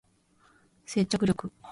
接着力